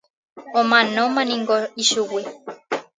Omanómaniko ichugui.